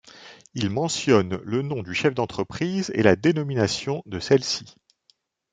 Ils mentionnent le nom du chef d'entreprise et la dénomination de celle-ci.